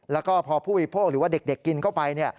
แล้วก็พอผู้บริโภคหรือว่าเด็กกินเข้าไป